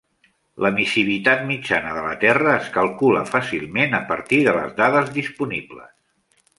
L'emissivitat mitjana de la terra es calcula fàcilment a partir de les dades disponibles.